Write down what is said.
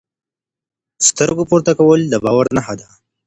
سترګو پورته کول د باور نښه ده.